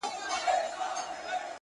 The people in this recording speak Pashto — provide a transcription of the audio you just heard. هم ښکاري وو هم ښه پوخ تجریبه کار وو،